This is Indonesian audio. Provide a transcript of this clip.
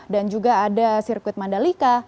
dan juga ada sirkuit mandalika